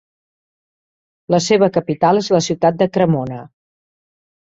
La seva capital és la ciutat de Cremona.